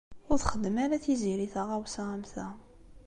Ur txeddem ara Tiziri taɣawsa am ta.